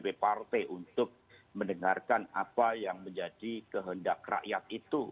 dpp partai untuk mendengarkan apa yang menjadi kehendak rakyat itu